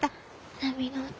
波の音